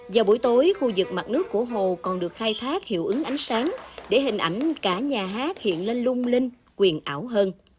vào buổi tối khu vực mặt nước của hồ còn được khai thác hiệu ứng ánh sáng để hình ảnh cả nhà hát hiện lên lung linh quyền ảo hơn